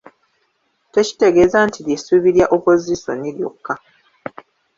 Tekitegeeza nti lye ssuubi lya Opozisoni lyokka.